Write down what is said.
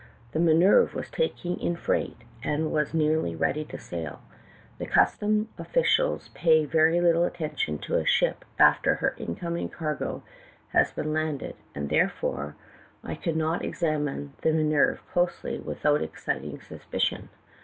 The Minerve was taking in freight, and was nearly ready to sail. The customs officials pay ver\' little attention to a ship after her incoming cargo has been landed, and, therefore, I could not examine the Minerve closely without exciting sus picion.